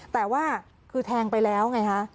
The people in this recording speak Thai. แต่ว่าคือแทงไปแล้วไงคะ